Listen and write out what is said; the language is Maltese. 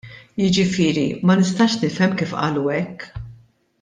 Jiġifieri ma nistax nifhem kif qalu hekk.